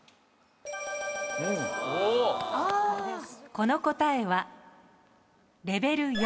この答えはレベル４。